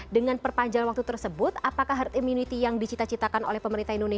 dengan perpanjangan waktu tersebut apakah herd immunity yang dicita citakan oleh pemerintah indonesia